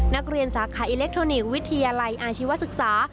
นักเรียนสาขาอิเล็กทรอนิกส์วิทยาลัยอาชีวศึกษา